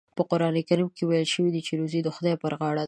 په قرآن کریم کې ویل شوي روزي د خدای په غاړه ده.